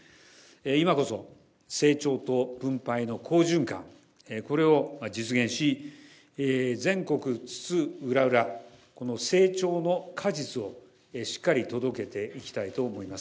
今こそ成長と分配の好循環、これを実現し、全国津々浦々、この成長の果実をしっかり届けていきたいと思います。